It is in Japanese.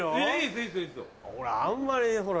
俺あんまりほら